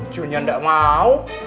junya gak mau